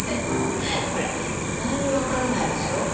ほら意外に分からないでしょ